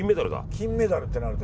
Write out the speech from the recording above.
金メダルってなると。